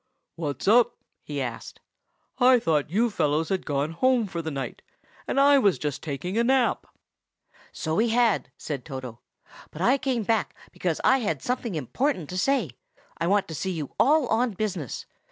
"What's up?" he asked. "I thought you fellows had gone home for the night, and I was just taking a nap." "So we had," said Toto; "but I came back because I had something important to say. I want to see you all on business.